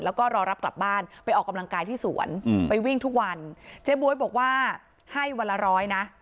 แล้วก็รอรับกลับบ้านไปออกกำลังกายที่สวนไปวิ่งทุกวันเจ๊บ๊วยบอกว่าให้วันละร้อยนะ